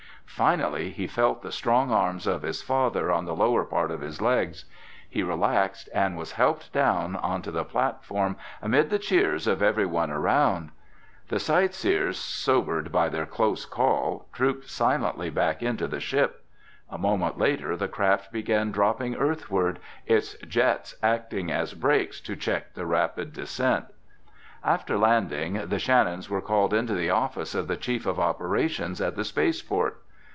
Finally he felt the strong arms of his father on the lower part of his legs. He relaxed and was helped down onto the platform amid the cheers of everyone around. The sight seers, sobered by their close call, trooped silently back into the ship. A moment later the craft began dropping earthward, its jets acting as brakes to check the rapid descent. After landing, the Shannons were called into the office of the Chief of Operations at the space port.